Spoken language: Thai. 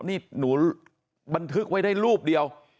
นี่หนูบันทึกไว้ได้รูปเดียว